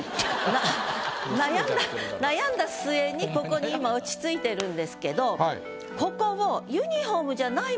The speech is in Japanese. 悩んだ末にここに今落ち着いてるんですけどここを。